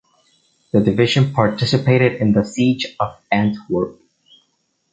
The division participated in the Siege of Antwerp.